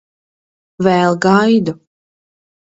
Vēl gaidu.